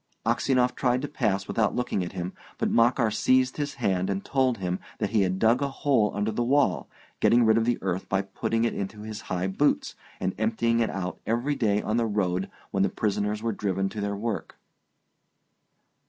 Aksionov tried to pass without looking at him, but Makar seized his hand and told him that he had dug a hole under the wall, getting rid of the earth by putting it into his high boots, and emptying it out every day on the road when the prisoners were driven to their work.